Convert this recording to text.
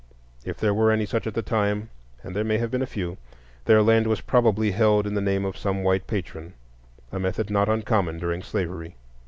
If there were any such at that time,—and there may have been a few,—their land was probably held in the name of some white patron,—a method not uncommon during slavery.